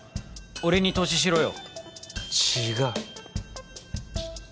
俺に投資しろよ。